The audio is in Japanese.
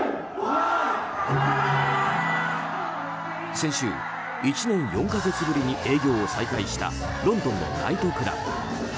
先週１年４か月ぶりに営業を再開したロンドンのナイトクラブ。